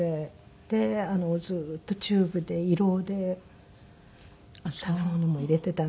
でずっとチューブで胃ろうで食べ物も入れてたんですよね。